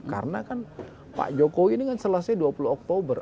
karena kan pak jokowi selesai dua puluh oktober